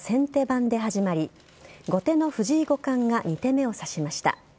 番で始まり後手の藤井五冠が２手目を指しました。